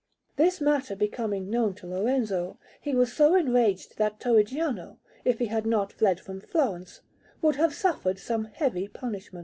This matter becoming known to Lorenzo, he was so enraged that Torrigiano, if he had not fled from Florence, would have suffered some heavy punishment.